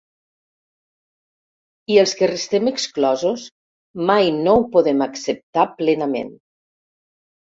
I els que restem exclosos mai no ho podem acceptar plenament.